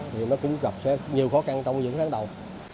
thì nó cũng gặp nhiều khó khăn trong những tháng đầu